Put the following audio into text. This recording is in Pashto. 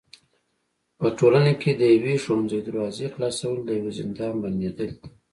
په ټولنه کي د يوي ښوونځي د دروازي خلاصول د يوه زندان بنديدل دي.